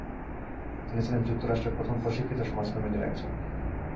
তিনি ছিলেন যুক্তরাষ্ট্রের প্রথম প্রশিক্ষিত সমাজকর্মীদের একজন।